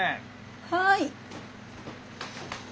はい。